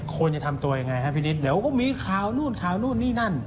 ควรจะทำตัวอย่างไรก็มีคราวนู่นนี่ก็นั่น